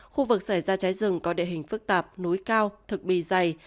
khu vực xảy ra cháy rừng có địa hình phức tạp núi cao thực bì dày